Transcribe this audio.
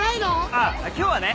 あっ今日はね。